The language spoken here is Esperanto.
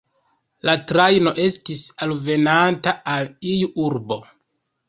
La trajno estis alvenanta al iu urbo.